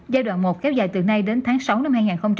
giai đoạn một kéo dài từ nay đến tháng sáu năm hai nghìn hai mươi